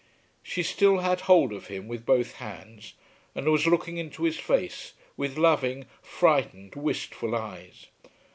She still had hold of him with both hands and was looking into his face with loving, frightened, wistful eyes.